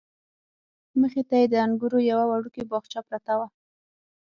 مخې ته یې د انګورو یوه وړوکې باغچه پرته وه.